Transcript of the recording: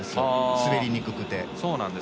滑りにくくて。